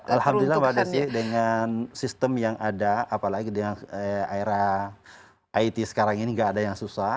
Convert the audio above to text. alhamdulillah mbak desi dengan sistem yang ada apalagi dengan era it sekarang ini nggak ada yang susah